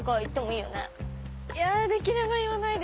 いやぁできれば言わないで。